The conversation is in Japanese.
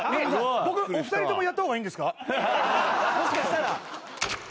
僕お二人ともやった方がいいんですか？